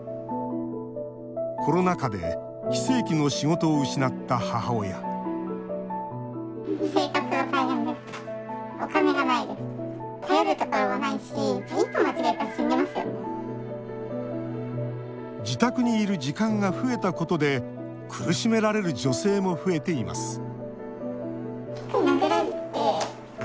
コロナ禍で非正規の仕事を失った母親自宅にいる時間が増えたことで苦しめられる女性も増えています